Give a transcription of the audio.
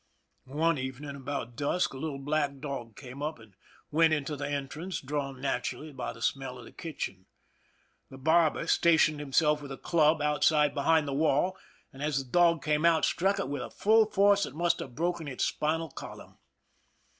One evening about dusk, a little black dog came up and went into the entrance, drawn naturally by the smell of the kitchen. The barber stationed himself with a club outside behind the wall, and as the dog came out struck it with full force that must have broken its spinal column.